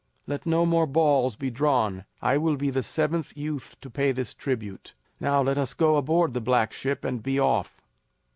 Let no more balls be drawn. I will be the seventh youth to pay this tribute. Now let us go aboard the black ship and be off."